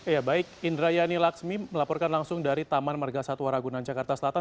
ya baik indra yani lakshmi melaporkan langsung dari taman margasatwa ragunan jakarta selatan